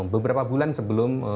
beberapa bulan sebelumnya